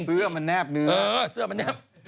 เชื่อมันแนบนึง